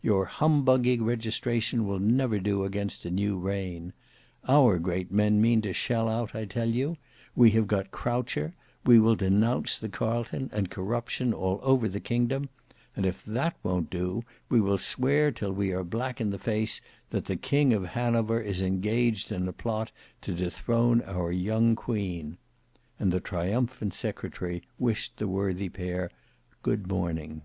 Your humbugging registration will never do against a new reign. Our great men mean to shell out, I tell you; we have got Croucher; we will denounce the Carlton and corruption all over the kingdom; and if that won't do, we will swear till we are black in the face, that the King of Hanover is engaged in a plot to dethrone our young Queen:" and the triumphant secretary wished the worthy pair good morning.